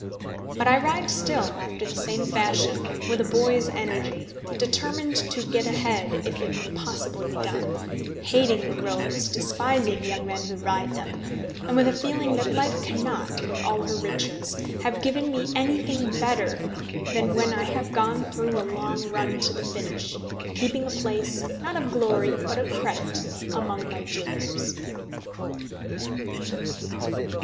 But I ride still after the same fashion, with a boy's energy, determined to get ahead if it may possibly be done, hating the roads, despising young men who ride them, and with a feeling that life can not, with all her riches, have given me anything better than when I have gone through a long run to the finish, keeping a place, not of glory, but of credit, among my juniors.